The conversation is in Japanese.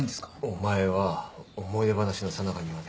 お前は思い出話のさなかにまで。